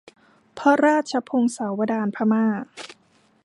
พระราชพงศาวดารพม่า